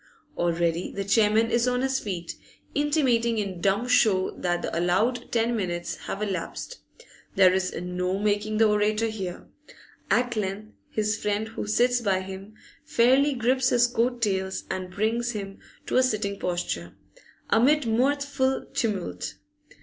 Already the chairman is on his feet, intimating in dumb show that the allowed ten minutes have elapsed; there is no making the orator hear. At length his friend who sits by him fairly grips his coat tails and brings him to a sitting posture, amid mirthful tumult.